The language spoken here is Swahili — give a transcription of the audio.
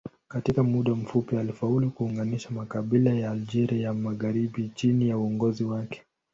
Katika muda mfupi alifaulu kuunganisha makabila ya Algeria ya magharibi chini ya uongozi wake.